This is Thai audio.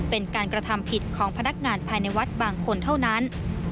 เป็นการกระทำผิดของพนักงานภายในวัดบางคนเท่านั้น